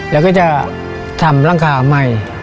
แล้วก็จะทำร่างข่าวใหม่